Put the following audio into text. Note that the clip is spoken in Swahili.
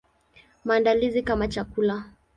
Maandalizi kama chakula.